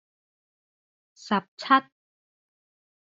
十七